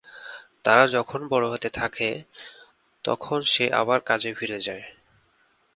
তারা যখন বড় হতে থাকে, তখন সে আবার কাজে ফিরে যায়।